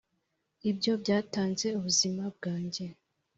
ibyo byatanze ubuzima bwanjye.